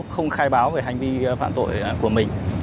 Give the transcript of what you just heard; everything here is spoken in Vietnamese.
không khai báo về hành vi phạm tội của mình